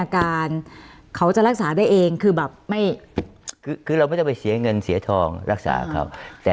การเขาจะรักษาได้เองคือแบบไม่คือคือเราไม่ต้องไปเสียเงินเสียทองรักษาเขาแต่